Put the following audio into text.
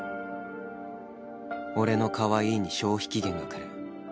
俺のかわいいに消費期限がくる